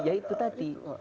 ya itu tadi